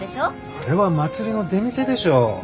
あれは祭りの出店でしょう？